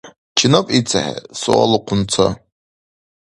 — Чинаб ицехӀе? — суалухъун ца.